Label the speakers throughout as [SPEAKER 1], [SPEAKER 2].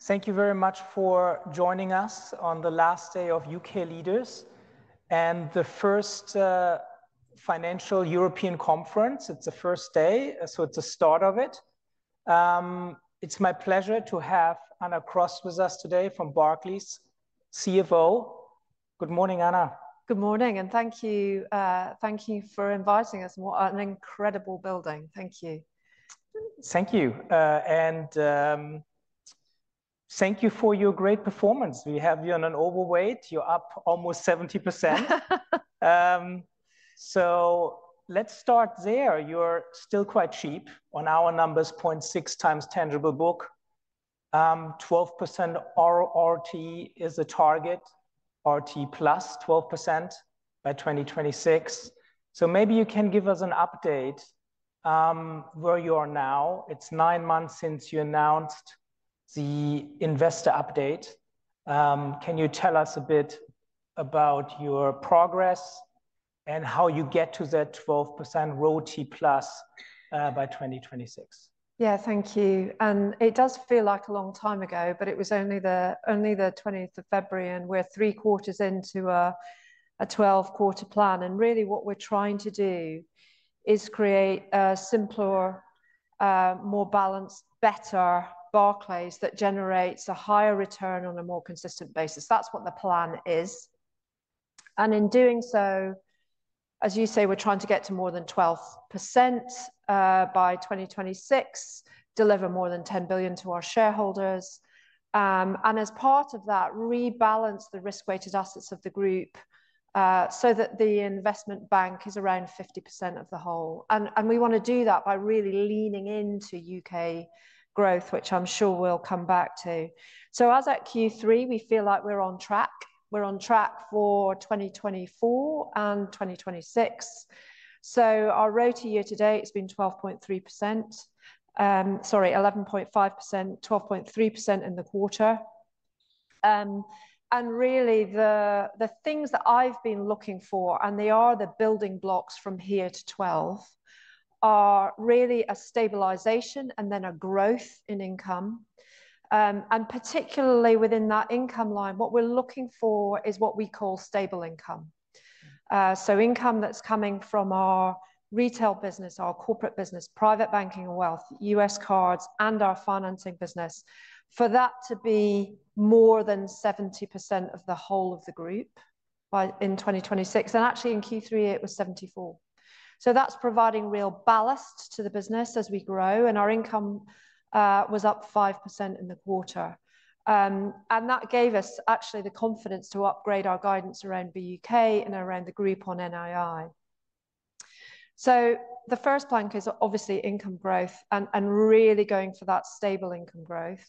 [SPEAKER 1] Thank you very much for joining us on the last day of UK Leaders and the first financial European conference. It's the first day, so it's the start of it. It's my pleasure to have Anna Cross with us today from Barclays, CFO. Good morning, Anna.
[SPEAKER 2] Good morning, and thank you, thank you for inviting us. What an incredible building. Thank you.
[SPEAKER 1] Thank you. And thank you for your great performance. We have you on an overweight. You're up almost 70%. So let's start there. You're still quite cheap on our numbers: 0.6 times tangible book, 12% RoTE is the target, RoTE plus 12% by 2026. So maybe you can give us an update, where you are now. It's nine months since you announced the investor update. Can you tell us a bit about your progress and how you get to that 12% RoTE plus, by 2026?
[SPEAKER 2] Yeah, thank you. And it does feel like a long time ago, but it was only the 20th of February, and we're three quarters into a 12-quarter plan. And really what we're trying to do is create a simpler, more balanced, better Barclays that generates a higher return on a more consistent basis. That's what the plan is. And in doing so, as you say, we're trying to get to more than 12% by 2026, deliver more than 10 billion to our shareholders. And as part of that, rebalance the risk-weighted assets of the group, so that the investment bank is around 50% of the whole. And we want to do that by really leaning into UK growth, which I'm sure we'll come back to. So as at Q3, we feel like we're on track. We're on track for 2024 and 2026. Our RoTE year to date has been 12.3%, sorry, 11.5%, 12.3% in the quarter. And really the things that I've been looking for, and they are the building blocks from here to 12, are really a stabilization and then a growth in income. And particularly within that income line, what we're looking for is what we call stable income. So income that's coming from our retail business, our corporate business, private banking and wealth, US cards, and our financing business for that to be more than 70% of the whole of the group by 2026. And actually in Q3 it was 74%. So that's providing real ballast to the business as we grow. And our income was up 5% in the quarter. And that gave us actually the confidence to upgrade our guidance around the UK and around the group on NII. So the first plank is obviously income growth and really going for that stable income growth.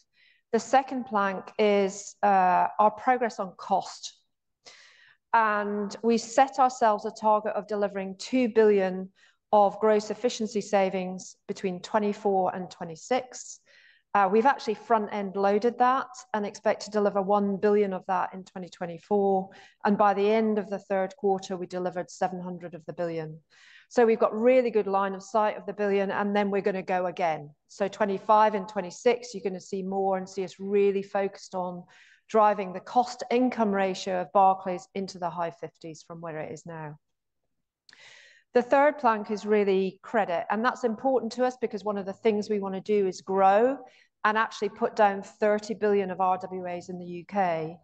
[SPEAKER 2] The second plank is our progress on cost. And we set ourselves a target of delivering 2 billion of gross efficiency savings between 2024 and 2026. We've actually front-end loaded that and expect to deliver 1 billion of that in 2024. And by the end of the third quarter, we delivered 700 of the billion. So we've got really good line of sight of the billion, and then we're going to go again. So 2025 and 2026, you're going to see more and see us really focused on driving the cost-to-income ratio of Barclays into the high fifties from where it is now. The third plank is really credit. And that's important to us because one of the things we want to do is grow and actually put down 30 billion of RWAs in the U.K.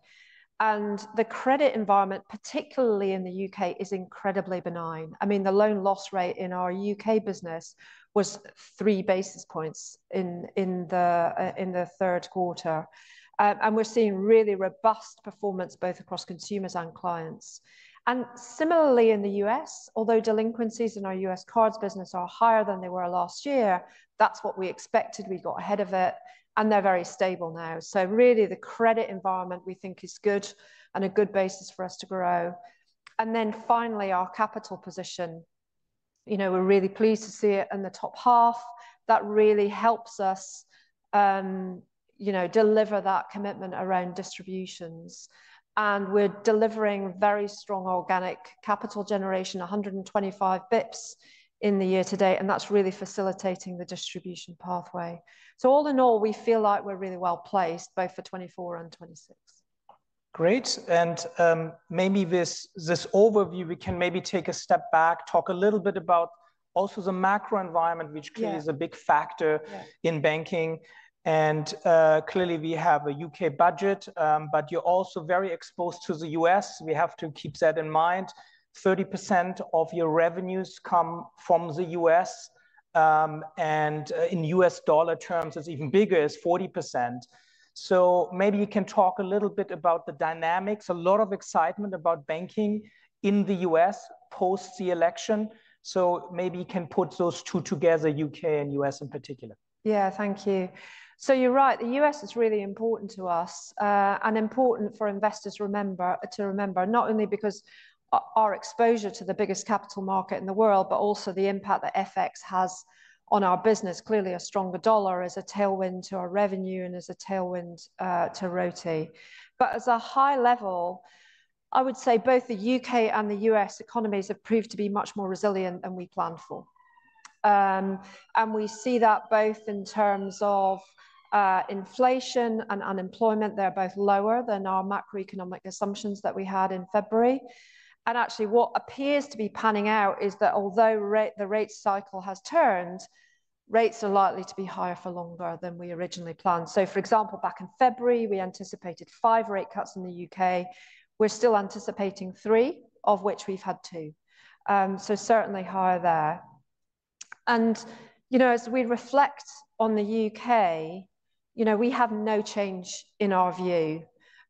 [SPEAKER 2] And the credit environment, particularly in the U.K., is incredibly benign. I mean, the loan loss rate in our U.K. business was three basis points in the third quarter. And we're seeing really robust performance both across consumers and clients. And similarly in the U.S., although delinquencies in our U.S. cards business are higher than they were last year, that's what we expected. We got ahead of it, and they're very stable now. So really the credit environment we think is good and a good basis for us to grow. And then finally, our capital position, you know, we're really pleased to see it in the top half. That really helps us, you know, deliver that commitment around distributions. And we're delivering very strong organic capital generation, 125 basis points in the year to date. And that's really facilitating the distribution pathway. So all in all, we feel like we're really well placed both for 2024 and 2026.
[SPEAKER 1] Great. And maybe this overview, we can maybe take a step back, talk a little bit about also the macro environment, which clearly is a big factor in banking. And clearly we have a U.K. budget, but you're also very exposed to the U.S. We have to keep that in mind. 30% of your revenues come from the U.S., and in U.S. dollar terms, it's even bigger. It's 40%. So maybe you can talk a little bit about the dynamics. A lot of excitement about banking in the U.S. post the election. So maybe you can put those two together, U.K. and U.S. in particular.
[SPEAKER 2] Yeah, thank you. So you're right. The U.S. is really important to us, and important for investors to remember, to remember not only because our exposure to the biggest capital market in the world, but also the impact that FX has on our business. Clearly, a stronger dollar is a tailwind to our revenue and is a tailwind to RoTE. But at a high level, I would say both the U.K. and the U.S. economies have proved to be much more resilient than we planned for, and we see that both in terms of inflation and unemployment. They're both lower than our macroeconomic assumptions that we had in February. Actually, what appears to be panning out is that although the rate cycle has turned, rates are likely to be higher for longer than we originally planned. So for example, back in February, we anticipated five rate cuts in the UK. We're still anticipating three, of which we've had two. So certainly higher there. And, you know, as we reflect on the UK, you know, we have no change in our view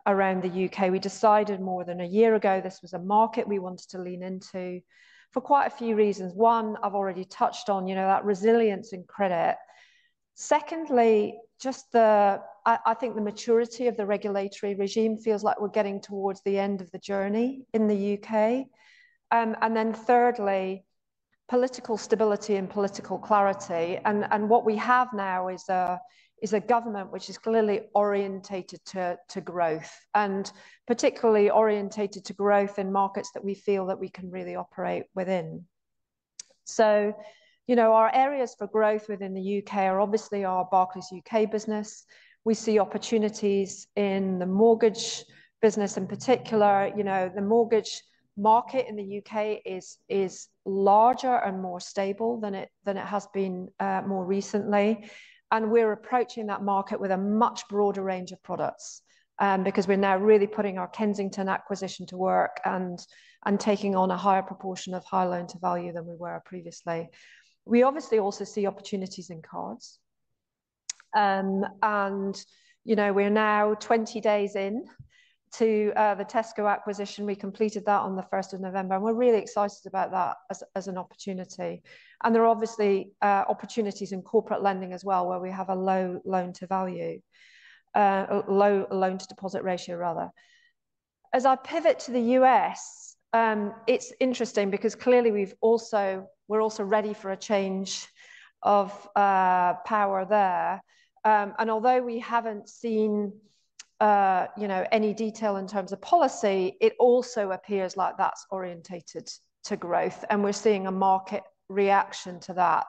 [SPEAKER 2] around the UK. We decided more than a year ago this was a market we wanted to lean into for quite a few reasons. One, I've already touched on, you know, that resilience in credit. Secondly, just the, I think the maturity of the regulatory regime feels like we're getting towards the end of the journey in the UK. And then thirdly, political stability and political clarity. And what we have now is a government which is clearly oriented to growth and particularly oriented to growth in markets that we feel that we can really operate within. You know, our areas for growth within the U.K. are obviously our Barclays UK business. We see opportunities in the mortgage business in particular. You know, the mortgage market in the U.K. is larger and more stable than it has been more recently. And we are approaching that market with a much broader range of products, because we are now really putting our Kensington acquisition to work and taking on a higher proportion of high loan to value than we were previously. We obviously also see opportunities in cards. You know, we are now 20 days into the Tesco acquisition. We completed that on the 1st of November, and we're really excited about that as an opportunity. And there are obviously opportunities in corporate lending as well, where we have a low loan to value, low loan to deposit ratio, rather. As I pivot to the U.S., it's interesting because clearly we're also ready for a change of power there, and although we haven't seen, you know, any detail in terms of policy, it also appears like that's oriented to growth, and we're seeing a market reaction to that,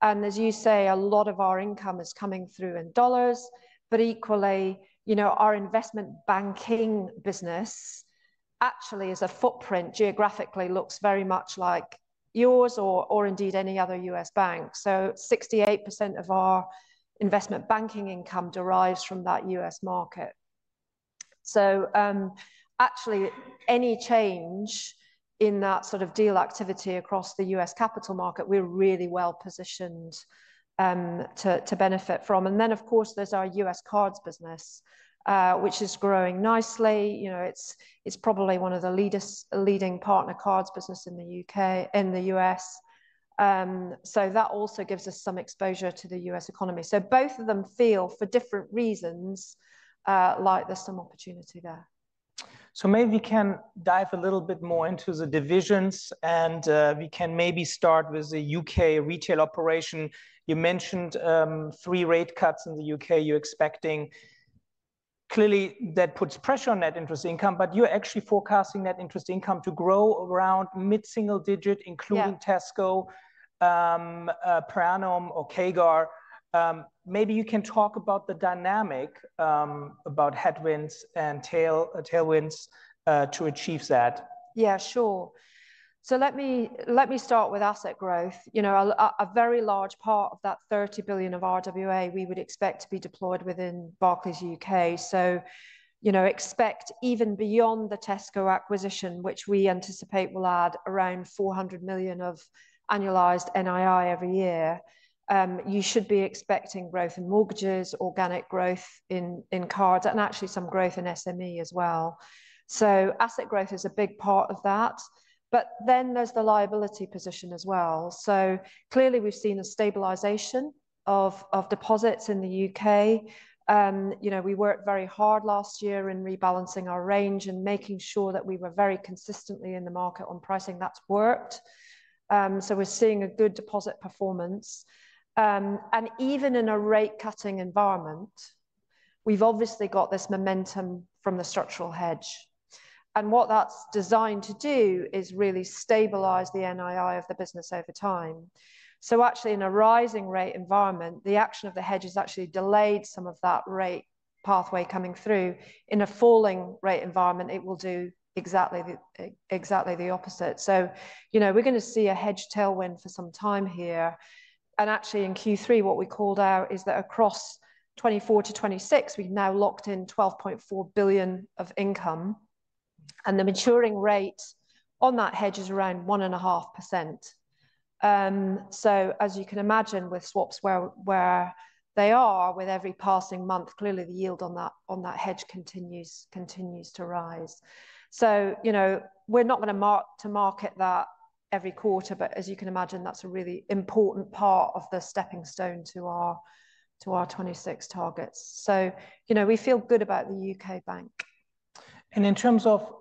[SPEAKER 2] as you say, a lot of our income is coming through in dollars, but equally, you know, our investment banking business actually is a footprint geographically looks very much like yours or indeed any other U.S. bank. So 68% of our investment banking income derives from that U.S. market. So, actually any change in that sort of deal activity across the U.S. capital market, we are really well positioned to benefit from, and then of course there's our U.S. cards business, which is growing nicely. You know, it's probably one of the leading partner cards business in the U.K., in the U.S. So that also gives us some exposure to the U.S. economy. So both of them feel for different reasons, like there's some opportunity there.
[SPEAKER 1] So maybe we can dive a little bit more into the divisions, and we can maybe start with the UK retail operation. You mentioned three rate cuts in the UK you're expecting. Clearly that puts pressure on net interest income, but you're actually forecasting net interest income to grow around mid-single digit, including Tesco, per annum or CAGR. Maybe you can talk about the dynamic, about headwinds and tailwinds, to achieve that.
[SPEAKER 2] Yeah, sure. So let me start with asset growth. You know, a very large part of that 30 billion of RWA we would expect to be deployed within Barclays UK. So, you know, expect even beyond the Tesco acquisition, which we anticipate will add around 400 million of annualized NII every year. You should be expecting growth in mortgages, organic growth in cards, and actually some growth in SME as well. So asset growth is a big part of that, but then there's the liability position as well. So clearly we've seen a stabilization of deposits in the UK. You know, we worked very hard last year in rebalancing our range and making sure that we were very consistently in the market on pricing. That's worked. So we're seeing a good deposit performance. And even in a rate cutting environment, we've obviously got this momentum from the structural hedge. And what that's designed to do is really stabilize the NII of the business over time. So actually in a rising rate environment, the action of the hedge has actually delayed some of that rate pathway coming through. In a falling rate environment, it will do exactly the opposite. So, you know, we're going to see a hedge tailwind for some time here. And actually in Q3, what we called out is that across 2024 to 2026, we've now locked in 12.4 billion of income. And the maturing rate on that hedge is around 1.5%. So as you can imagine with swaps where they are with every passing month, clearly the yield on that hedge continues to rise. So, you know, we're not going to mark to market that every quarter, but as you can imagine, that's a really important part of the stepping stone to our, to our '26 targets. So, you know, we feel good about the UK bank.
[SPEAKER 1] In terms of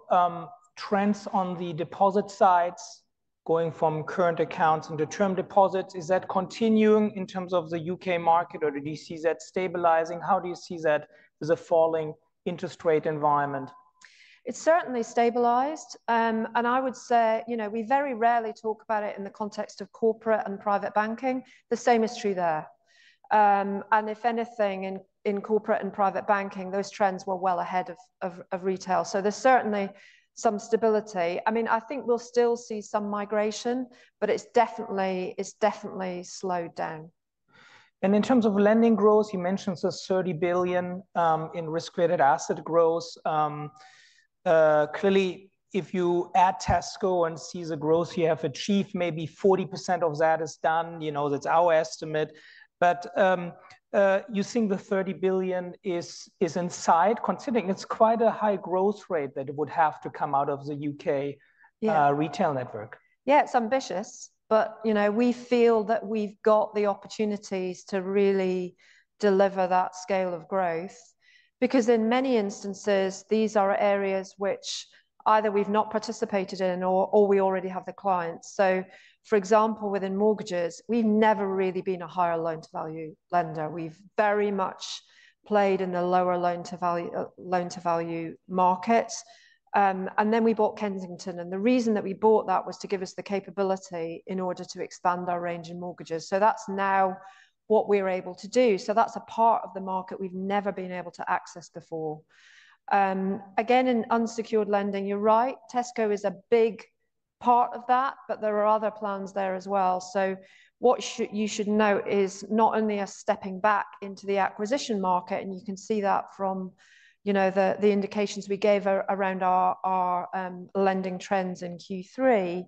[SPEAKER 1] trends on the deposit sides, going from current accounts into term deposits, is that continuing in terms of the U.K. market or do you see that stabilizing? How do you see that with a falling interest rate environment?
[SPEAKER 2] It's certainly stabilized. I would say, you know, we very rarely talk about it in the context of corporate and private banking. The same is true there. If anything in corporate and private banking, those trends were well ahead of retail. So there's certainly some stability. I mean, I think we'll still see some migration, but it's definitely slowed down.
[SPEAKER 1] And in terms of lending growth, you mentioned the 30 billion in risk-weighted assets growth. Clearly if you add Tesco and see the growth you have achieved, maybe 40% of that is done. You know, that's our estimate. But you think the 30 billion is inside considering it's quite a high growth rate that it would have to come out of the U.K. retail network?
[SPEAKER 2] Yeah, it's ambitious, but you know, we feel that we've got the opportunities to really deliver that scale of growth because in many instances, these are areas which either we've not participated in or we already have the clients. So for example, within mortgages, we've never really been a higher loan to value lender. We've very much played in the lower loan to value market, and then we bought Kensington. And the reason that we bought that was to give us the capability in order to expand our range in mortgages. So that's now what we are able to do. So that's a part of the market we've never been able to access before. Again, in unsecured lending, you're right, Tesco is a big part of that, but there are other plans there as well. So what you should note is not only us stepping back into the acquisition market, and you can see that from, you know, the indications we gave around our lending trends in Q3,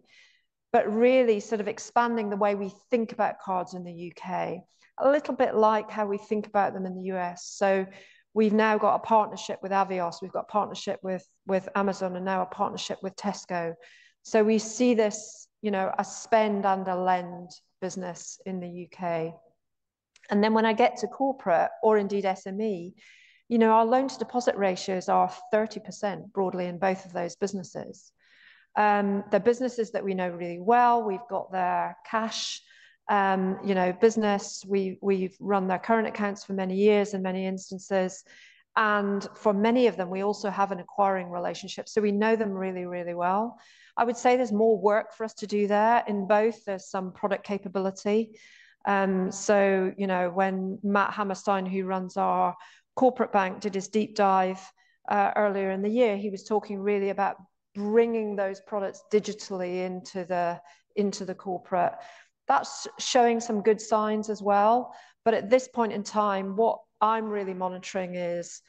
[SPEAKER 2] but really sort of expanding the way we think about cards in the U.K., a little bit like how we think about them in the U.S. So we've now got a partnership with Avios, we've got a partnership with Amazon, and now a partnership with Tesco. So we see this, you know, a spend and a lend business in the U.K. And then when I get to corporate or indeed SME, you know, our loan to deposit ratios are 30% broadly in both of those businesses. They're businesses that we know really well. We've got their cash, you know, business. We've run their current accounts for many years in many instances. For many of them, we also have an acquiring relationship. So we know them really, really well. I would say there's more work for us to do there in both. There's some product capability. So, you know, when Matt Hammerstein, who runs our corporate bank, did his deep dive, earlier in the year, he was talking really about bringing those products digitally into the, into the corporate. That's showing some good signs as well. But at this point in time, what I'm really monitoring is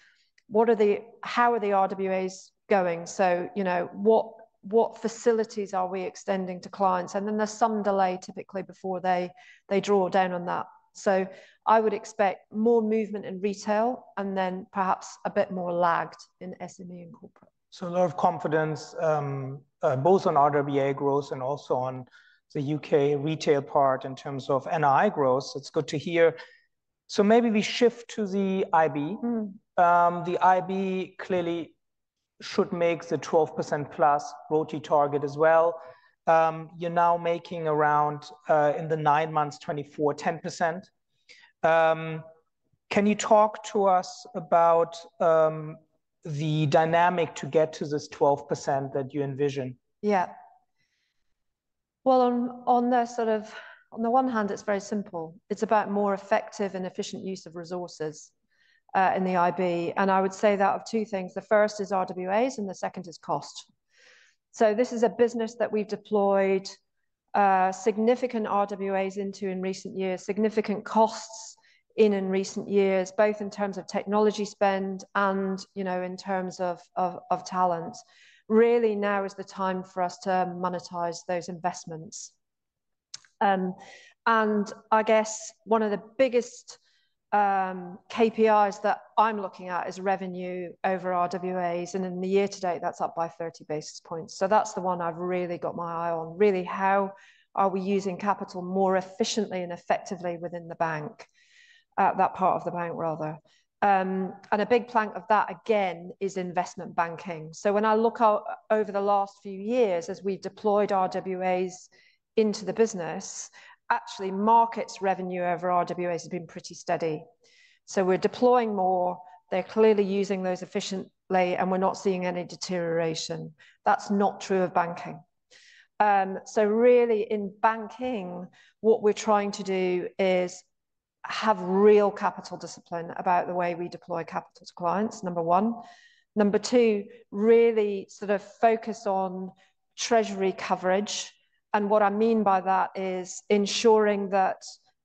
[SPEAKER 2] what are the, how are the RWAs going? So, you know, what, what facilities are we extending to clients? And then there's some delay typically before they, they draw down on that. So I would expect more movement in retail and then perhaps a bit more lagged in SME and corporate.
[SPEAKER 1] A lot of confidence, both on RWA growth and also on the UK retail part in terms of NII growth. It's good to hear. Maybe we shift to the IB. The IB clearly should make the 12% plus RoTE target as well. You're now making around 10% in the nine months to date. Can you talk to us about the dynamics to get to this 12% that you envision?
[SPEAKER 2] Yeah. Well, on the one hand, it's very simple. It's about more effective and efficient use of resources in the IB. And I would say that's two things. The first is RWAs and the second is cost. So this is a business that we've deployed significant RWAs into in recent years, significant costs in recent years, both in terms of technology spend and you know in terms of talent. Really now is the time for us to monetize those investments. And I guess one of the biggest KPIs that I'm looking at is revenue over RWAs. And in the year to date, that's up by 30 basis points. So that's the one I've really got my eye on. Really, how are we using capital more efficiently and effectively within the bank, that part of the bank rather. And a big plank of that again is investment banking. So when I look out over the last few years, as we've deployed RWAs into the business, actually markets revenue over RWAs has been pretty steady. So we're deploying more. They're clearly using those efficiently and we're not seeing any deterioration. That's not true of banking. So really in banking, what we're trying to do is have real capital discipline about the way we deploy capital to clients. Number one. Number two, really sort of focus on treasury coverage. And what I mean by that is ensuring that,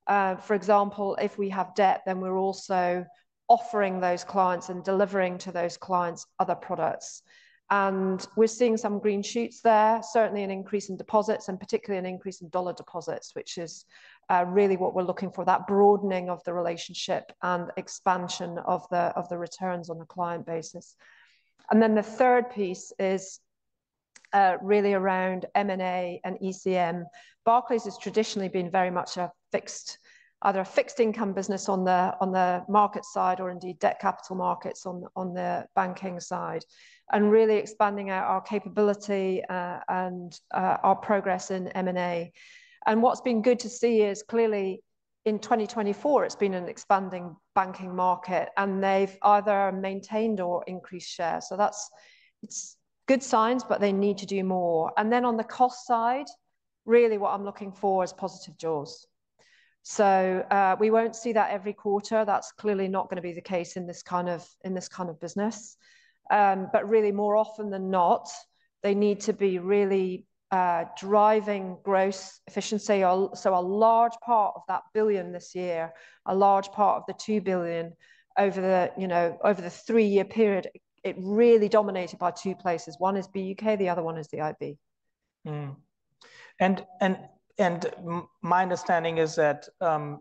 [SPEAKER 2] for example, if we have debt, then we're also offering those clients and delivering to those clients other products. And we're seeing some green shoots there, certainly an increase in deposits and particularly an increase in dollar deposits, which is really what we're looking for, that broadening of the relationship and expansion of the returns on the client basis. And then the third piece is really around M&A and ECM. Barclays has traditionally been very much either a fixed income business on the market side or indeed debt capital markets on the banking side, and really expanding out our capability and our progress in M&A. And what's been good to see is clearly in 2024, it's been an expanding banking market and they've either maintained or increased share. So that's it, good signs, but they need to do more. And then on the cost side, really what I'm looking for is positive jaws. So we won't see that every quarter. That's clearly not going to be the case in this kind of business. But really more often than not, they need to be really driving gross efficiency. So a large part of that 1 billion this year, a large part of the 2 billion over the, you know, three-year period, it really dominated by two places. One is BUK, the other one is the IB.
[SPEAKER 1] My understanding is that,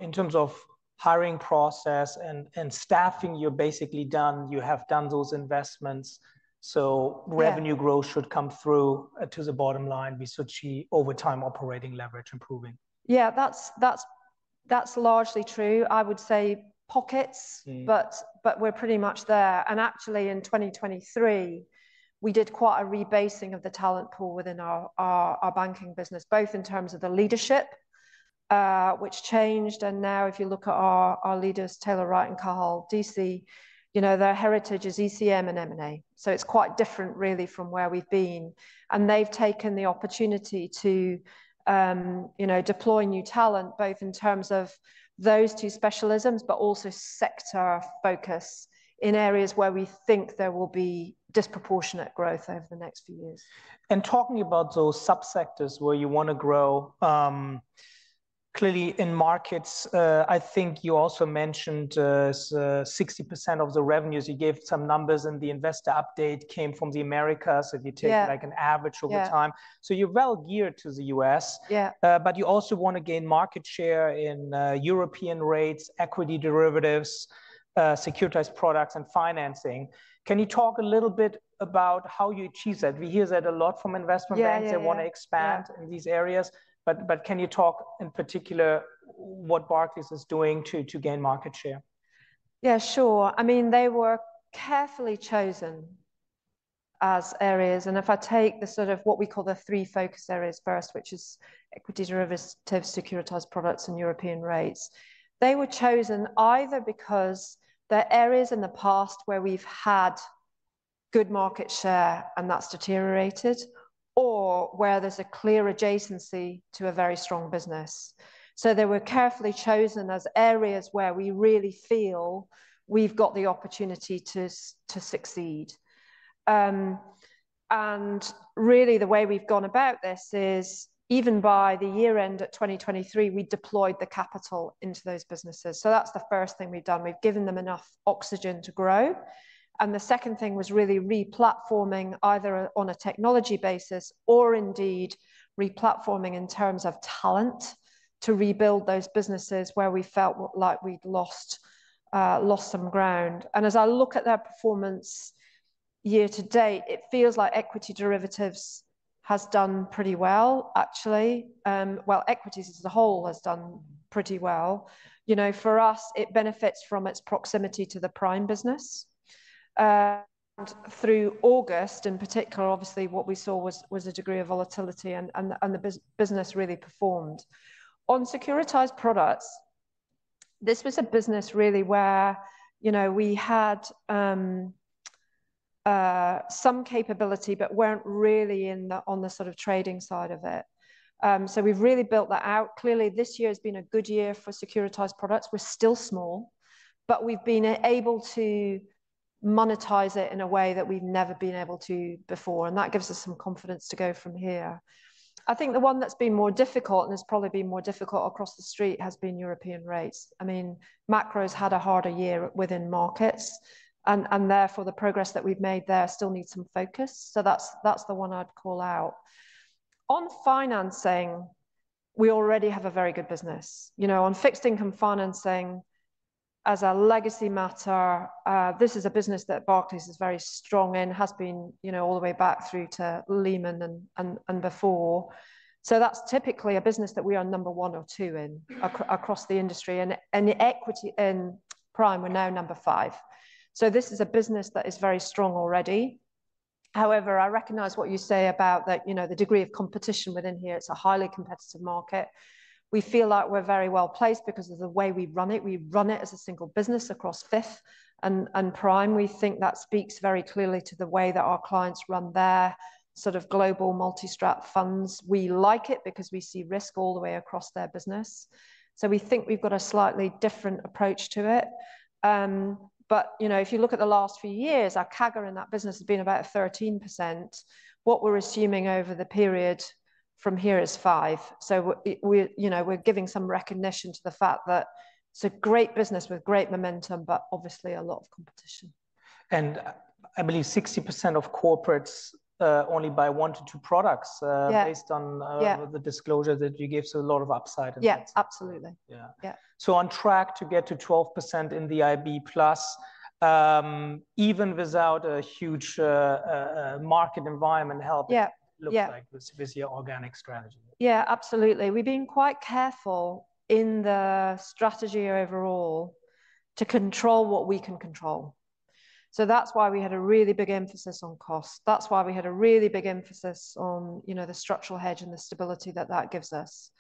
[SPEAKER 1] in terms of hiring process and staffing, you're basically done. You have done those investments. So revenue growth should come through to the bottom line with such over time operating leverage improving.
[SPEAKER 2] Yeah, that's largely true. I would say pockets, but we're pretty much there. And actually in 2023, we did quite a rebasing of the talent pool within our banking business, both in terms of the leadership, which changed. And now if you look at our leaders, Taylor Wright and Cathal Deasy, you know, their heritage is ECM and M&A. So it's quite different really from where we've been. And they've taken the opportunity to, you know, deploy new talent, both in terms of those two specialisms, but also sector focus in areas where we think there will be disproportionate growth over the next few years.
[SPEAKER 1] Talking about those subsectors where you want to grow, clearly in markets, I think you also mentioned 60% of the revenues. You gave some numbers in the investor update came from the Americas. If you take like an average over time. So you're well geared to the U.S. but you also want to gain market share in European rates, equity derivatives, securitized products and financing. Can you talk a little bit about how you achieve that? We hear that a lot from investment banks. They want to expand in these areas. But can you talk in particular what Barclays is doing to gain market share?
[SPEAKER 2] Yeah, sure. I mean, they were carefully chosen as areas. If I take the sort of what we call the three focus areas first, which is equity derivatives, securitized products, and European rates, they were chosen either because there are areas in the past where we've had good market share and that's deteriorated or where there's a clear adjacency to a very strong business. They were carefully chosen as areas where we really feel we've got the opportunity to succeed. Really, the way we've gone about this is even by the year end at 2023, we deployed the capital into those businesses. That's the first thing we've done. We've given them enough oxygen to grow. The second thing was really replatforming either on a technology basis or indeed replatforming in terms of talent to rebuild those businesses where we felt like we'd lost, lost some ground. As I look at their performance year to date, it feels like equity derivatives has done pretty well actually. Equities as a whole has done pretty well. You know, for us, it benefits from its proximity to the Prime Services business. Through August in particular, obviously what we saw was a degree of volatility and the business really performed on securitized products. This was a business really where, you know, we had some capability, but weren't really in the on the sort of trading side of it. So we've really built that out. Clearly this year has been a good year for securitized Products. We're still small, but we've been able to monetize it in a way that we've never been able to before. And that gives us some confidence to go from here. I think the one that's been more difficult and has probably been more difficult across the street has been European rates. I mean, macros had a harder year within markets and therefore the progress that we've made there still needs some focus. So that's the one I'd call out. On financing, we already have a very good business, you know, on fixed income financing as a legacy matter. This is a business that Barclays is very strong in, has been, you know, all the way back through to Lehman and before. So that's typically a business that we are number one or two in across the industry, and the equity and prime, we're now number five. So this is a business that is very strong already. However, I recognize what you say about that, you know, the degree of competition within here. It's a highly competitive market. We feel like we're very well placed because of the way we run it. We run it as a single business across equity and prime. We think that speaks very clearly to the way that our clients run their sort of global multi-strat funds. We like it because we see risk all the way across their business. So we think we've got a slightly different approach to it. But you know, if you look at the last few years, our CAGR in that business has been about 13%. What we're assuming over the period from here is five. So we, you know, we're giving some recognition to the fact that it's a great business with great momentum, but obviously a lot of competition.
[SPEAKER 1] I believe 60% of corporates only buy one to two products, based on the disclosure that you give. A lot of upside.
[SPEAKER 2] Yes, absolutely. Yeah.
[SPEAKER 1] So on track to get to 12% in the IB plus, even without a huge, market environment help, it looks like with your organic strategy.
[SPEAKER 2] Yeah, absolutely. We've been quite careful in the strategy overall to control what we can control. So that's why we had a really big emphasis on cost. That's why we had a really big emphasis on, you know, the structural hedge and the stability that that gives us.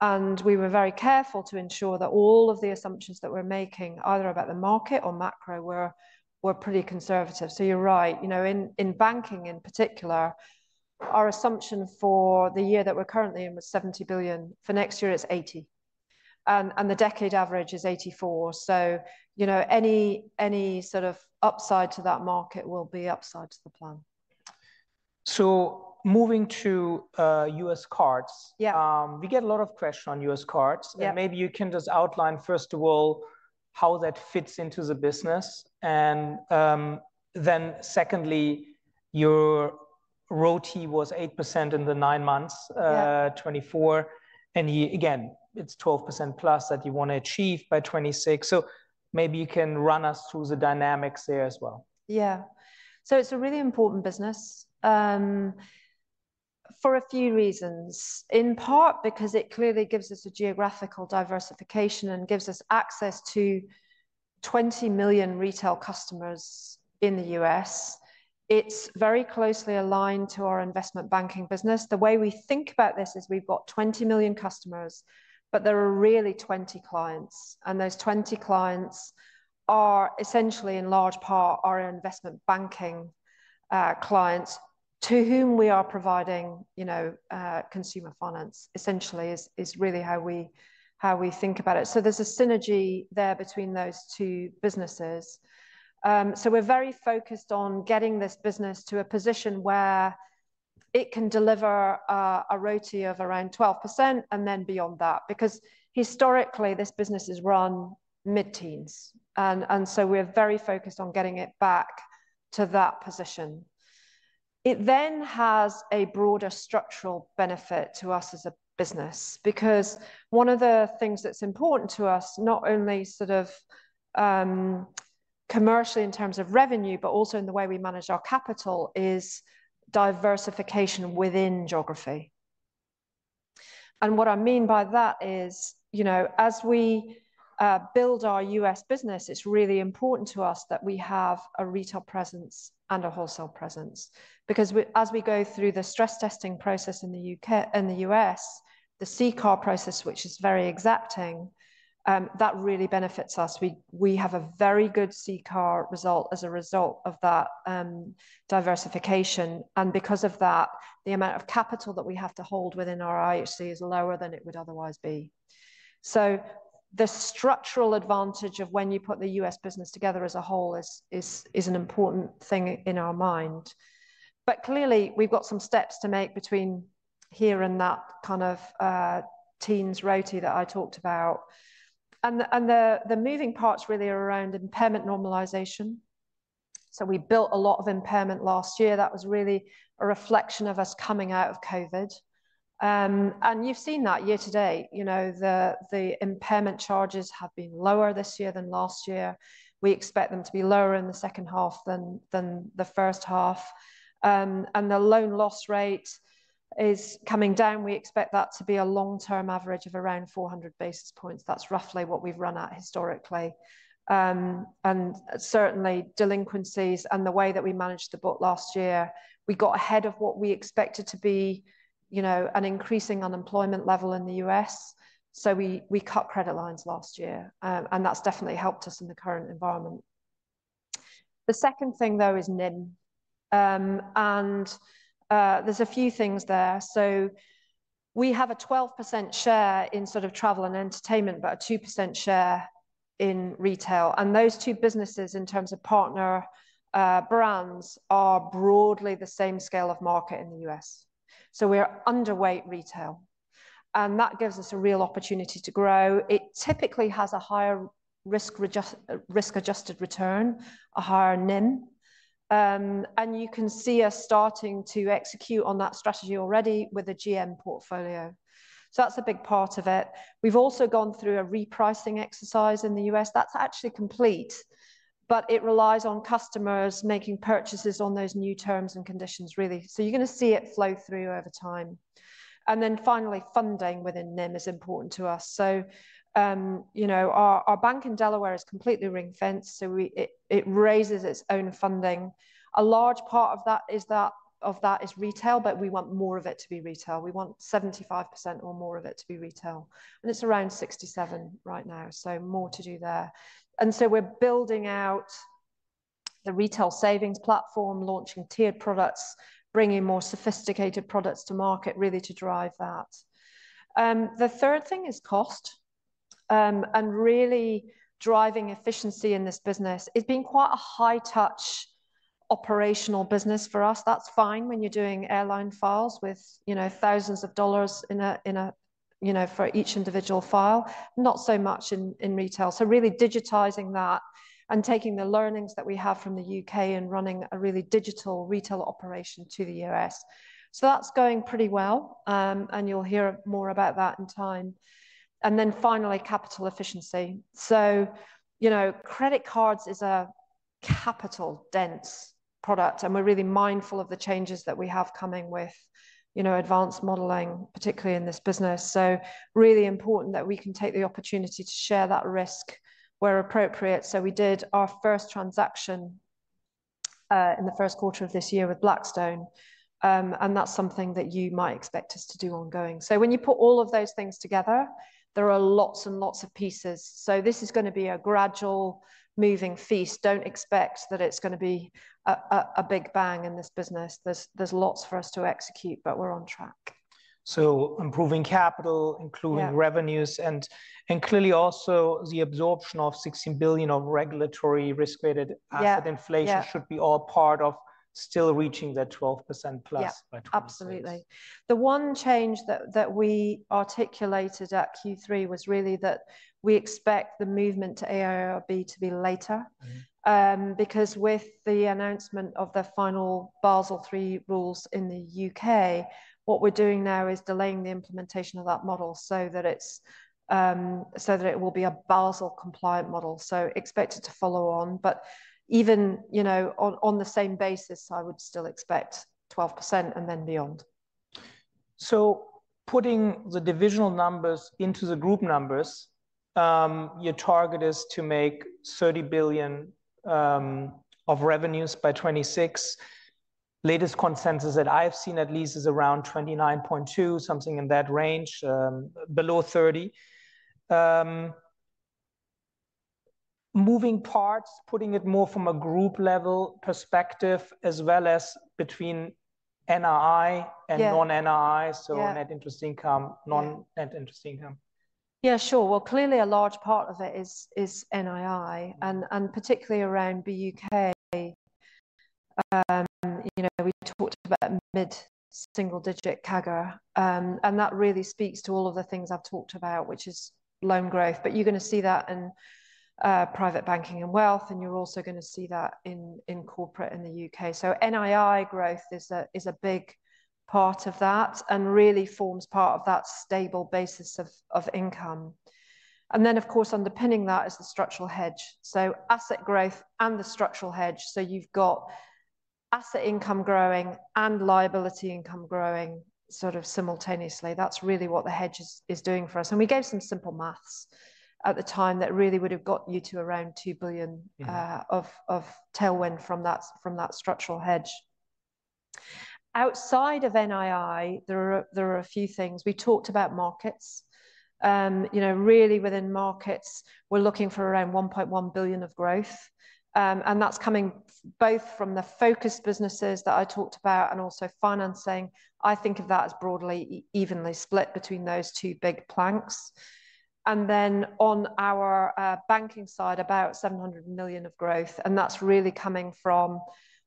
[SPEAKER 2] And we were very careful to ensure that all of the assumptions that we're making either about the market or macro were pretty conservative. So you're right, you know, in banking in particular, our assumption for the year that we're currently in was 70 billion for next year. It's 80 billion. And the decade average is 84 billion. So, you know, any sort of upside to that market will be upside to the plan.
[SPEAKER 1] Moving to US cards. We get a lot of questions on US cards. Then, secondly, your ROTE was 8% in the nine months 2024. And, again, it's 12% plus that you want to achieve by 2026. Maybe you can run us through the dynamics there as well.
[SPEAKER 2] Yeah, so it's a really important business, for a few reasons, in part because it clearly gives us a geographical diversification and gives us access to 20 million retail customers in the U.S. It's very closely aligned to our investment banking business. The way we think about this is we've got 20 million customers, but there are really 20 clients. And those 20 clients are essentially in large part our investment banking clients to whom we are providing, you know, consumer finance essentially is really how we think about it. So there's a synergy there between those two businesses. We're very focused on getting this business to a position where it can deliver a RoTE of around 12% and then beyond that, because historically this business is run mid-teens. And so we're very focused on getting it back to that position. It then has a broader structural benefit to us as a business because one of the things that's important to us, not only sort of commercially in terms of revenue, but also in the way we manage our capital is diversification within geography. What I mean by that is, you know, as we build our U.S. business, it's really important to us that we have a retail presence and a wholesale presence because as we go through the stress testing process in the U.K., in the U.S., the CCAR process, which is very exacting, that really benefits us. We have a very good CCAR result as a result of that diversification. Because of that, the amount of capital that we have to hold within our IHC is lower than it would otherwise be. The structural advantage of when you put the US business together as a whole is an important thing in our mind. But clearly we've got some steps to make between here and that kind of teens RoTE that I talked about. The moving parts really are around impairment normalization. We booked a lot of impairment last year. That was really a reflection of us coming out of COVID. You've seen that year to date, you know, the impairment charges have been lower this year than last year. We expect them to be lower in the second half than the first half. The loan loss rate is coming down. We expect that to be a long-term average of around 400 basis points. That's roughly what we've run at historically. And certainly delinquencies and the way that we managed the book last year, we got ahead of what we expected to be, you know, an increasing unemployment level in the U.S. So we cut credit lines last year, and that's definitely helped us in the current environment. The second thing though is NIM, and there's a few things there. So we have a 12% share in sort of travel and entertainment, but a 2% share in retail. And those two businesses in terms of partner brands are broadly the same scale of market in the U.S. So we're underweight retail and that gives us a real opportunity to grow. It typically has a higher risk-adjusted return, a higher NIM, and you can see us starting to execute on that strategy already with a GM portfolio. So that's a big part of it. We've also gone through a repricing exercise in the U.S. That's actually complete, but it relies on customers making purchases on those new terms and conditions, really. So you're going to see it flow through over time. And then finally, funding within NIM is important to us. So, you know, our bank in Delaware is completely ring-fenced. So it raises its own funding. A large part of that is retail, but we want more of it to be retail. We want 75% or more of it to be retail. And it's around 67% right now. So more to do there. And so we're building out the retail savings platform, launching tiered products, bringing more sophisticated products to market, really to drive that. The third thing is cost, and really driving efficiency in this business. It's been quite a high-touch operational business for us. That's fine when you're doing airline files with, you know, thousands of dollars in a you know for each individual file, not so much in retail. So really digitizing that and taking the learnings that we have from the U.K. and running a really digital retail operation to the U.S. So that's going pretty well and you'll hear more about that in time and then finally, capital efficiency. So, you know, credit cards is a capital dense product and we're really mindful of the changes that we have coming with, you know, advanced modeling, particularly in this business. So really important that we can take the opportunity to share that risk where appropriate. So we did our first transaction in the first quarter of this year with Blackstone and that's something that you might expect us to do ongoing. When you put all of those things together, there are lots and lots of pieces. This is going to be a gradual moving feast. Don't expect that it's going to be a big bang in this business. There's lots for us to execute, but we're on track.
[SPEAKER 1] Improving capital, improving revenues and clearly also the absorption of 16 billion of regulatory risk-weighted asset inflation should be all part of still reaching that 12% plus.
[SPEAKER 2] Absolutely. The one change that we articulated at Q3 was really that we expect the movement to AIRB to be later. Because with the announcement of the final Basel III rules in the UK, what we're doing now is delaying the implementation of that model so that it will be a Basel compliant model. So expected to follow on, but even, you know, on the same basis, I would still expect 12% and then beyond.
[SPEAKER 1] So putting the divisional numbers into the group numbers, your target is to make 30 billion of revenues by 2026. Latest consensus that I've seen, at least, is around 29.2 billion, something in that range, below 30 billion. Moving parts, putting it more from a group level perspective, as well as between NII and non-NII. So net interest income, non-net interest income.
[SPEAKER 2] Yeah, sure. Well, clearly a large part of it is NII and particularly around the UK. You know, we talked about mid-single digit CAGR, and that really speaks to all of the things I've talked about, which is loan growth, but you're going to see that in private banking and wealth, and you're also going to see that in corporate in the UK, so NII growth is a big part of that and really forms part of that stable basis of income, and then of course, underpinning that is the structural hedge, so asset growth and the structural hedge, so you've got asset income growing and liability income growing sort of simultaneously. That's really what the hedge is doing for us. And we gave some simple maths at the time that really would have got you to around 2 billion of tailwind from that structural hedge. Outside of NII, there are a few things we talked about Markets. You know, really within Markets, we're looking for around 1.1 billion of growth. And that's coming both from the focus businesses that I talked about and also financing. I think of that as broadly evenly split between those two big planks. And then on our banking side, about 700 million of growth. And that's really coming from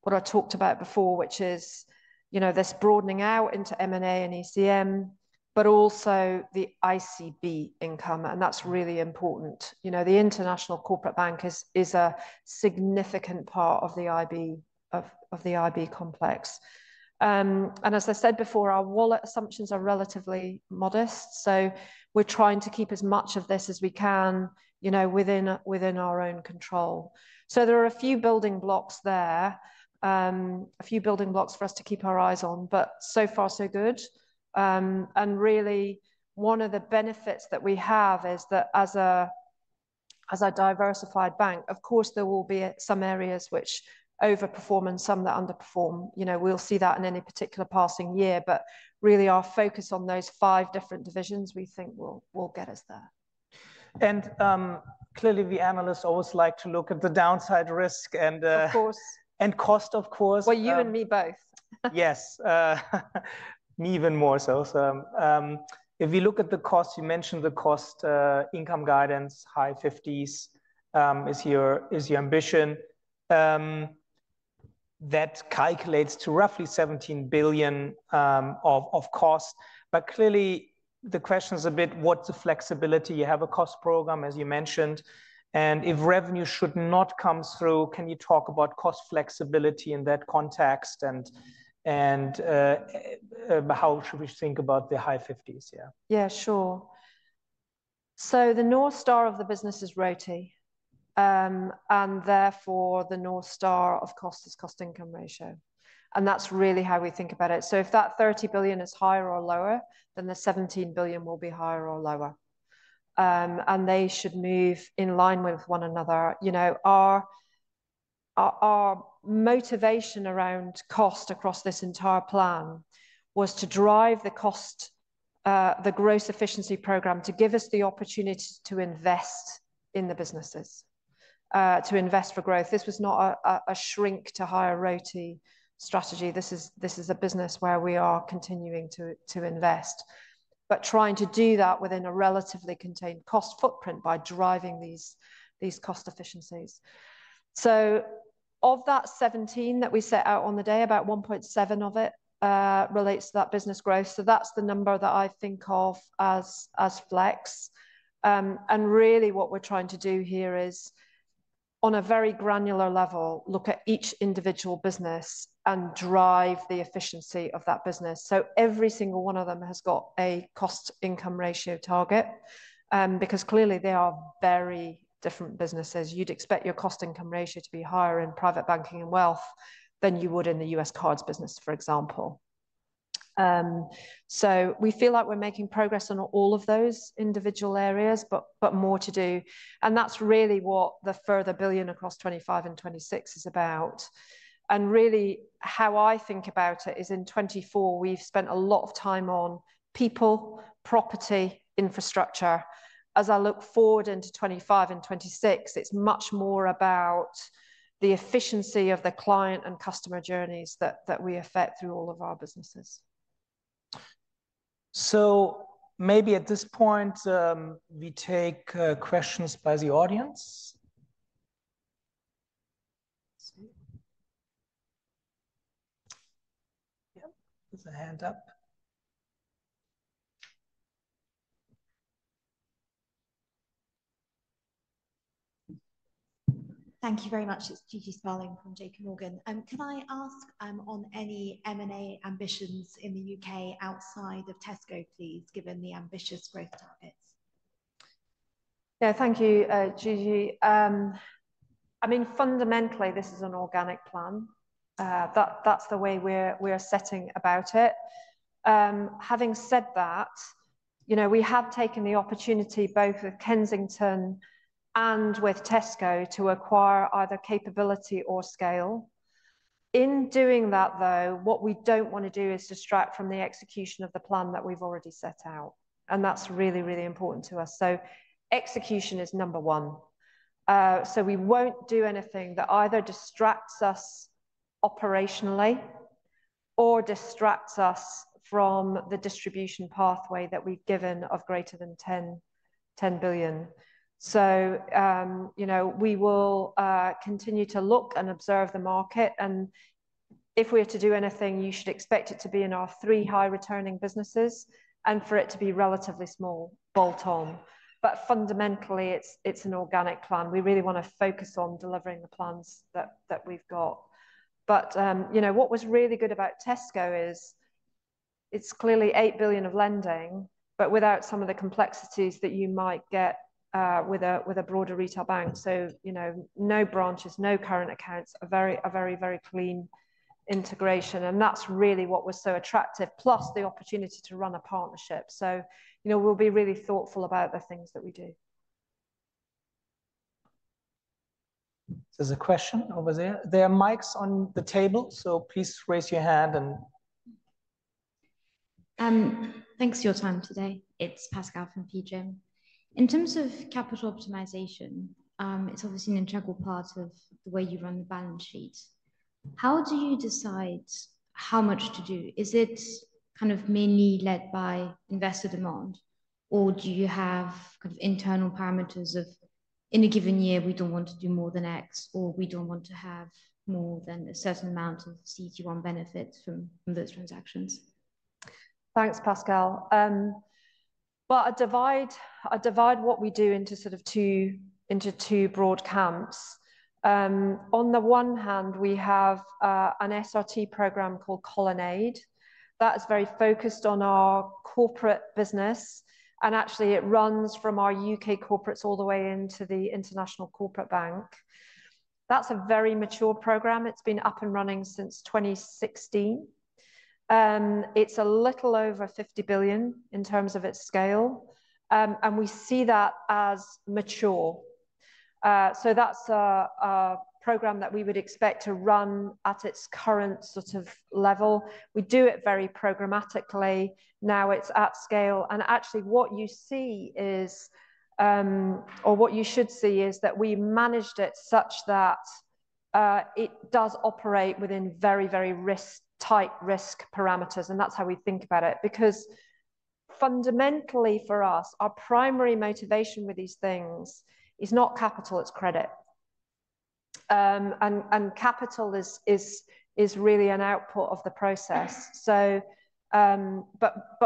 [SPEAKER 2] what I talked about before, which is, you know, this broadening out into M&A and ECM, but also the ICB income. And that's really important. You know, the International Corporate Bank is a significant part of the IB, of the IB complex. And as I said before, our wallet assumptions are relatively modest. So we're trying to keep as much of this as we can, you know, within our own control. So there are a few building blocks there for us to keep our eyes on, but so far, so good. And really one of the benefits that we have is that as a diversified bank, of course, there will be some areas which overperform and some that underperform. You know, we'll see that in any particular passing year, but really our focus on those five different divisions we think will get us there.
[SPEAKER 1] Clearly the analysts always like to look at the downside risk and cost, of course.
[SPEAKER 2] Well, you and me both.
[SPEAKER 1] Yes. Me even more so. So, if we look at the cost, you mentioned the cost income guidance, high fifties, is your ambition. That calculates to roughly 17 billion of cost. But clearly the question is a bit, what's the flexibility? You have a cost program, as you mentioned, and if revenue should not come through, can you talk about cost flexibility in that context and how should we think about the high fifties? Yeah.
[SPEAKER 2] Yeah, sure. So the North Star of the business is revenue, and therefore the North Star of cost is cost income ratio. And that's really how we think about it. So if that 30 billion is higher or lower, then the 17 billion will be higher or lower. And they should move in line with one another. You know, our motivation around cost across this entire plan was to drive the cost, the gross efficiency program to give us the opportunity to invest in the businesses, to invest for growth. This was not a shrink to higher revenue strategy. This is a business where we are continuing to invest, but trying to do that within a relatively contained cost footprint by driving these cost efficiencies. So of that 17 billion that we set out on the day, about 1.7 billion of it relates to that business growth. So that's the number that I think of as, as flex, and really what we're trying to do here is on a very granular level look at each individual business and drive the efficiency of that business. So every single one of them has got a cost income ratio target, because clearly they are very different businesses. You'd expect your cost income ratio to be higher in private banking and wealth than you would in the U.S. cards business, for example. So we feel like we're making progress on all of those individual areas, but more to do. And that's really what the further 1 billion across 2025 and 2026 is about. Really, how I think about it is in 2024, we've spent a lot of time on people, property, infrastructure. As I look forward into 2025 and 2026, it's much more about the efficiency of the client and customer journeys that we affect through all of our businesses.
[SPEAKER 1] So maybe at this point, we take questions by the audience. Yep. There's a hand up.
[SPEAKER 3] Thank you very much. It's Gigi Sparling from J.P. Morgan. Can I ask, on any M&A ambitions in the UK outside of Tesco, please, given the ambitious growth targets?
[SPEAKER 2] Yeah, thank you, Gigi. I mean, fundamentally this is an organic plan. That, that's the way we're setting about it. Having said that, you know, we have taken the opportunity both with Kensington and with Tesco to acquire either capability or scale. In doing that though, what we don't want to do is distract from the execution of the plan that we've already set out. And that's really, really important to us. So execution is number one. So we won't do anything that either distracts us operationally or distracts us from the distribution pathway that we've given of greater than 10 billion. So, you know, we will continue to look and observe the market. And if we were to do anything, you should expect it to be in our three high returning businesses and for it to be relatively small, bolt on. But fundamentally it's an organic plan. We really want to focus on delivering the plans that we've got. But, you know, what was really good about Tesco is it's clearly 8 billion of lending, but without some of the complexities that you might get with a broader retail bank. So, you know, no branches, no current accounts, a very, very, very clean integration. And that's really what was so attractive, plus the opportunity to run a partnership. So, you know, we'll be really thoughtful about the things that we do.
[SPEAKER 1] There's a question over there. There are mics on the table, so please raise your hand and.
[SPEAKER 4] Thanks for your time today. It's Pascal from PGIM. In terms of capital optimization, it's obviously an integral part of the way you run the balance sheet. How do you decide how much to do? Is it kind of mainly led by investor demand, or do you have kind of internal parameters of in a given year, we don't want to do more than X, or we don't want to have more than a certain amount of CET1 benefits from, from those transactions?
[SPEAKER 2] Thanks, Pascal, but I divide what we do into sort of two broad camps. On the one hand, we have an SRT program called Colonnade that is very focused on our corporate business. And actually it runs from our UK corporates all the way into the International Corporate Bank. That's a very mature program. It's been up and running since 2016. It's a little over 50 billion in terms of its scale. And we see that as mature. So that's a program that we would expect to run at its current sort of level. We do it very programmatically. Now it's at scale. And actually what you see is, or what you should see is that we managed it such that it does operate within very tight risk parameters. That's how we think about it, because fundamentally for us, our primary motivation with these things is not capital, it's credit. And capital is really an output of the process. But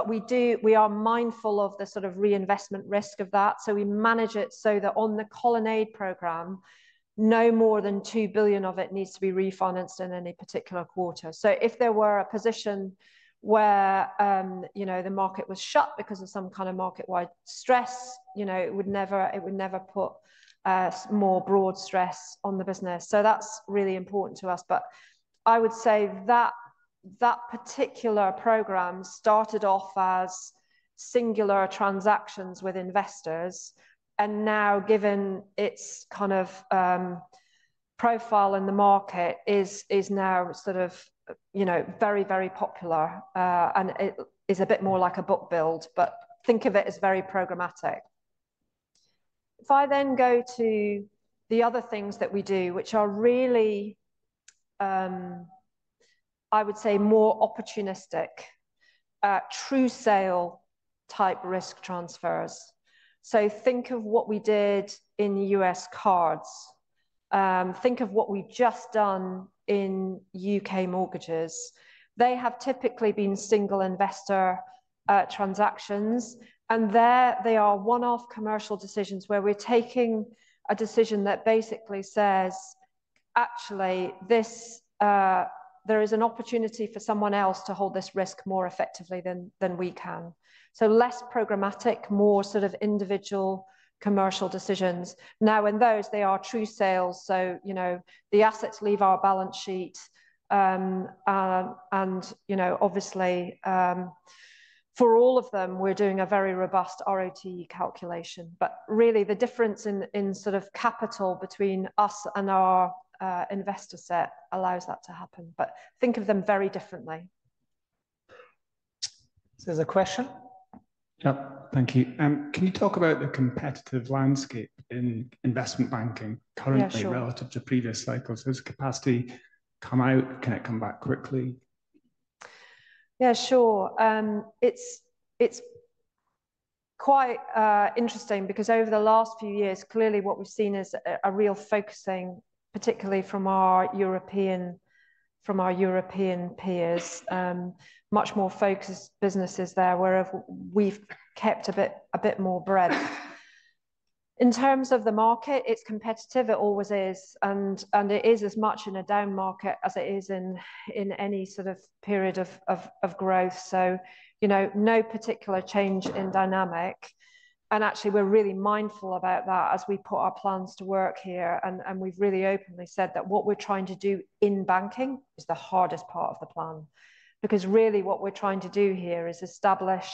[SPEAKER 2] we do, we are mindful of the sort of reinvestment risk of that. So we manage it so that on the Colonnade program, no more than 2 billion of it needs to be refinanced in any particular quarter. So if there were a position where, you know, the market was shut because of some kind of market-wide stress, you know, it would never put more broad stress on the business. So that's really important to us. But I would say that that particular program started off as singular transactions with investors. And now, given its kind of profile in the market is now sort of, you know, very, very popular. It is a bit more like a book build, but think of it as very programmatic. If I then go to the other things that we do, which are really, I would say more opportunistic, true sale type risk transfers. So think of what we did in US cards. Think of what we've just done in UK mortgages. They have typically been single investor transactions. And there, they are one-off commercial decisions where we're taking a decision that basically says, actually this, there is an opportunity for someone else to hold this risk more effectively than we can. So less programmatic, more sort of individual commercial decisions. Now in those, they are true sales. So, you know, the assets leave our balance sheet. And, you know, obviously, for all of them, we're doing a very robust RoTE calculation, but really the difference in sort of capital between us and our investor set allows that to happen, but think of them very differently.
[SPEAKER 1] There's a question.
[SPEAKER 5] Yeah. Thank you. Can you talk about the competitive landscape in investment banking currently relative to previous cycles? Has capacity come out? Can it come back quickly?
[SPEAKER 2] Yeah, sure. It's quite interesting because over the last few years, clearly what we've seen is a real focusing, particularly from our European peers, much more focused businesses there, whereas we've kept a bit more breadth. In terms of the market, it's competitive. It always is. And it is as much in a down market as it is in any sort of period of growth. So, you know, no particular change in dynamic. And actually we're really mindful about that as we put our plans to work here. We've really openly said that what we're trying to do in banking is the hardest part of the plan, because really what we're trying to do here is establish,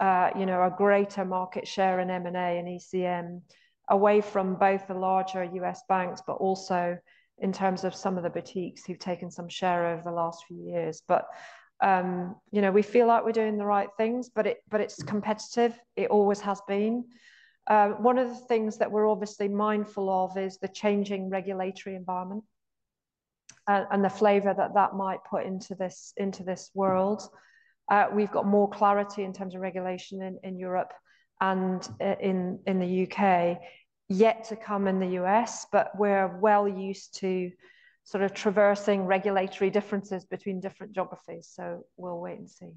[SPEAKER 2] you know, a greater market share in M&A and ECM away from both the larger U.S. banks, but also in terms of some of the boutiques who've taken some share over the last few years. We feel like we're doing the right things, but it's competitive. It always has been. One of the things that we're obviously mindful of is the changing regulatory environment and the flavor that that might put into this world. We've got more clarity in terms of regulation in Europe and in the U.K. yet to come in the U.S., but we're well used to sort of traversing regulatory differences between different geographies. So we'll wait and see.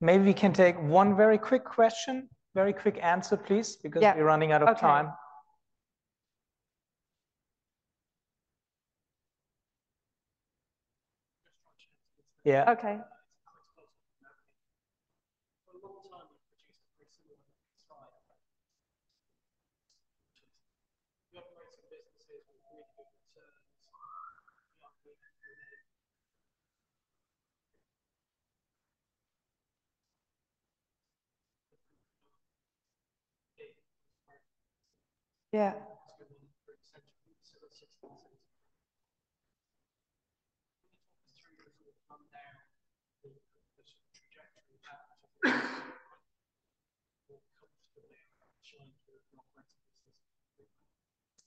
[SPEAKER 1] Maybe we can take one very quick question, very quick answer, please, because we're running out of time. Yeah.
[SPEAKER 2] Okay. Yeah.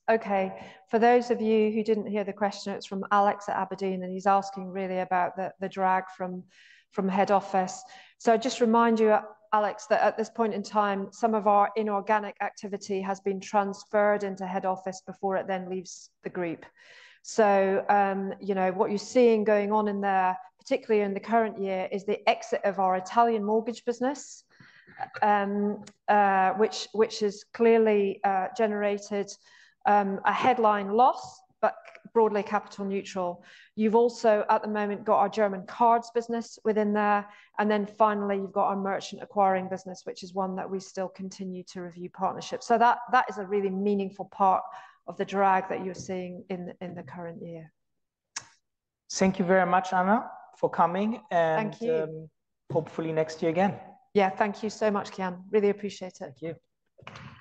[SPEAKER 2] Okay. For those of you who didn't hear the question, it's from Alex at Aberdeen, and he's asking really about the drag from head office. So I just remind you, Alex, that at this point in time, some of our inorganic activity has been transferred into head office before it then leaves the group. So, you know, what you're seeing going on in there, particularly in the current year, is the exit of our Italian mortgage business, which has clearly generated a headline loss, but broadly capital neutral. You've also at the moment got our German cards business within there. And then finally you've got our merchant acquiring business, which is one that we still continue to review partnership. So that is a really meaningful part of the drag that you're seeing in the current year.
[SPEAKER 1] Thank you very much, Anna, for coming, and hopefully next year again.
[SPEAKER 2] Yeah. Thank you so much, Kian. Really appreciate it.
[SPEAKER 1] Thank you.